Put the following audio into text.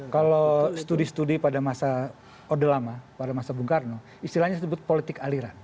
kalau studi studi pada masa orde lama pada masa bung karno istilahnya disebut politik aliran